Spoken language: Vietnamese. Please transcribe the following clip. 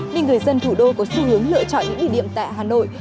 nên người dân thủ đô có xu hướng lựa chọn những địa điểm tại hà nội